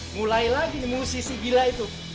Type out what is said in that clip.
mulai lagi musisi gila itu